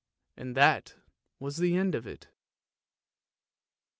And that was the end of it.